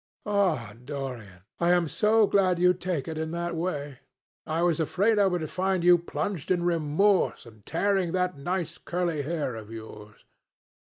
"Ah, Dorian, I am so glad you take it in that way! I was afraid I would find you plunged in remorse and tearing that nice curly hair of yours."